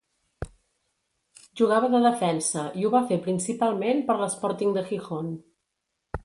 Jugava de defensa, i ho va fer principalment per l'Sporting de Gijón.